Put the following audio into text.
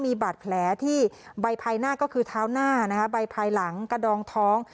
มีบาดแผลที่ใบภายหน้าก็คือเท้าหน้านะคะใบภายหลังกระดองท้อง